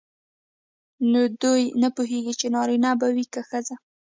نو دوی نه پوهیږي چې نارینه به وي که ښځه.